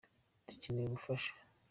Dukeneye ubufasha.